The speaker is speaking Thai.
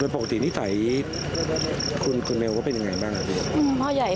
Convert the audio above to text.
ปกตินิสัยคุณเมลว่าเป็นยังไงบ้าง